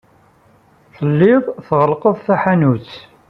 Telliḍ tɣellqeḍ taḥanut.